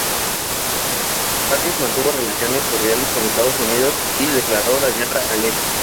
Vargas mantuvo relaciones cordiales con Estados Unidos y le declaró la guerra al eje.